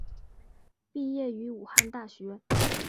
毕业于武汉大学。